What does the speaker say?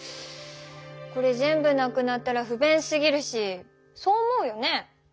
これ全部なくなったらふべんすぎるしそう思うよね？